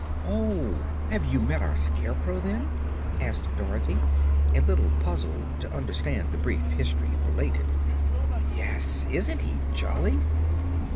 "Oh! Have you met our Scarecrow, then?" asked Dorothy, a little puzzled to understand the brief history related. "Yes; isn't he jolly?"